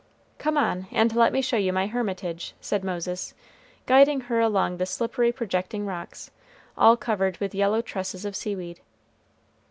"Come on, and let me show you my hermitage," said Moses, guiding her along the slippery projecting rocks, all covered with yellow tresses of seaweed.